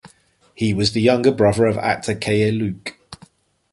He was the younger brother of actor Keye Luke.